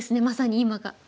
まさに今が。